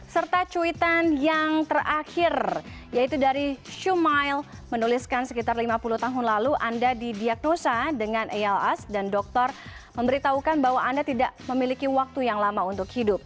serta cuitan yang terakhir yaitu dari shumail menuliskan sekitar lima puluh tahun lalu anda didiagnosa dengan als dan dokter memberitahukan bahwa anda tidak memiliki waktu yang lama untuk hidup